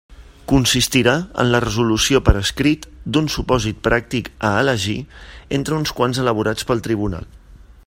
Consistirà en la resolució per escrit d'un supòsit pràctic a elegir entre uns quants elaborats pel tribunal.